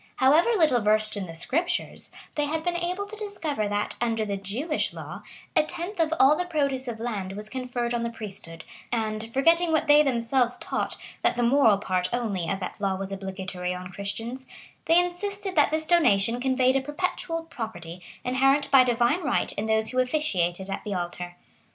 However little versed in the Scriptures, they had been able to discover that, under the Jewish law, a tenth of all the produce of land was conferred on the priesthood; and, forgetting what they themselves taught, that the moral part only of that law was obligatory on Christians, they insisted that this donation conveyed a perpetual property, inherent by divine right in those who officiated at the altar.